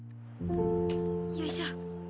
よいしょ。